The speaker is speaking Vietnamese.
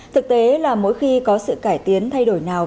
thực tế là mỗi khi có sự cải tiến thay đổi nào